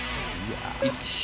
１。